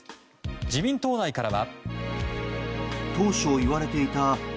自民党内からは。